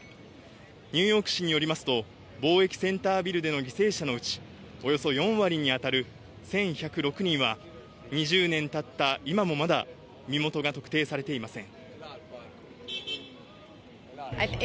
ニューヨーク市によりますと貿易センタービルでの犠牲者のうちおよそ４割に当たる１１０６人は２０年経った今もまだ身元が特定されていません。